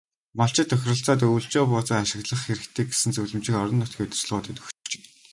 Малчид тохиролцоод өвөлжөө бууцаа ашиглах хэрэгтэй гэсэн зөвлөмжийг орон нутгийн удирдлагуудад өгчээ.